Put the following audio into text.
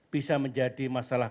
bisa menjadi masalah